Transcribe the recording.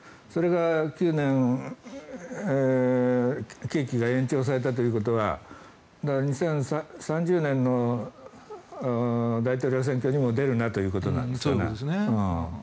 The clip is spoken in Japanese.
それが９年刑期が延長されたということは２０３０年の大統領選挙にも出るなということなんですね。